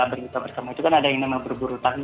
bergabung bersama itu kan ada yang nama berburu tanggil